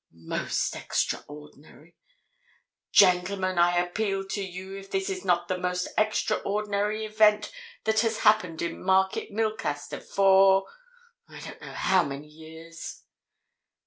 Most extraordinary! Gentlemen, I appeal to you if this is not the most extraordinary event that has happened in Market Milcaster for—I don't know how many years?"